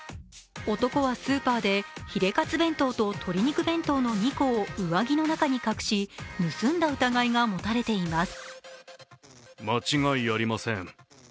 男はスーパーで、ヒレカツ弁当と鶏肉弁当の２個を上着の中に隠し盗んだ疑いが持たれています。